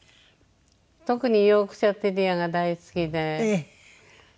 特にヨークシャー・テリアが大好きで。